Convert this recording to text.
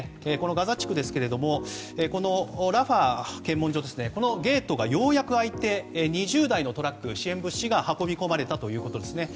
ガザ地区ですけれどもこのラファ検問所のゲートがようやく開いて２０台のトラック支援物資が運び込まれたということです。